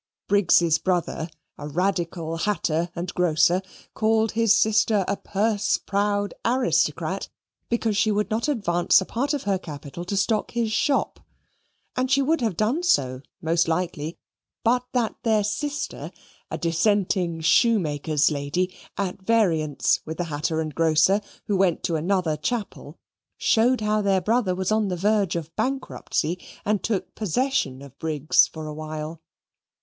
Briggs's brother, a radical hatter and grocer, called his sister a purse proud aristocrat, because she would not advance a part of her capital to stock his shop; and she would have done so most likely, but that their sister, a dissenting shoemaker's lady, at variance with the hatter and grocer, who went to another chapel, showed how their brother was on the verge of bankruptcy, and took possession of Briggs for a while.